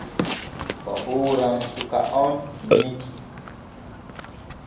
O hooran suka on Niki.